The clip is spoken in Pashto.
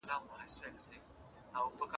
غيبت کوونکی د خپل مړه ورور غوښه خوري.